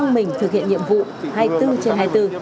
mình thực hiện nhiệm vụ hai mươi bốn trên hai mươi bốn